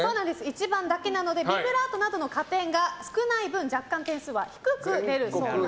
１番だけなのでビブラートなどの加点が少ない分若干点数は低く出るそうです。